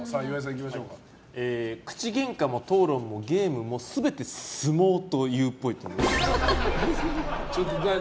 口げんかも討論もゲームも全て相撲と言うっぽい。